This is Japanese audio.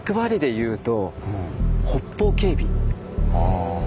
ああ。